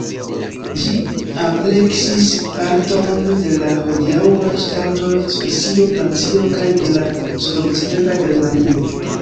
Ĝi ampleksis partojn de la hodiaŭaj ŝtatoj Svisio, Francio kaj de la sudokcidenta Germanio.